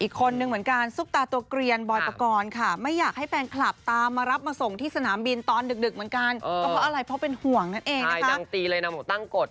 อีกคนนึงเหมือนกันซุปตาตัวเกลียนบอยปกรณ์ค่ะไม่อยากให้แฟนคลับตามมารับมาส่งที่สนามบินตอนดึกเหมือนกันก็เพราะอะไรเพราะเป็นห่วงนั่นเองนะคะ